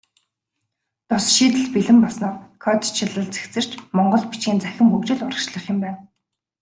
Тус шийдэл бэлэн болсноор кодчилол цэгцэрч, монгол бичгийн цахим хөгжил урагшлах юм байна.